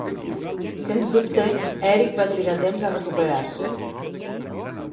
Sens dubte, Erik va trigar temps a recuperar-se.